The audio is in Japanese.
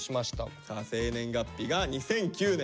生年月日が２００９年。